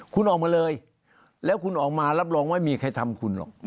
คุณออกมาเลยแล้วคุณออกมารับรองไม่มีใครทำคุณหรอก